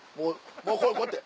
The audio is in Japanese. もうこうやって。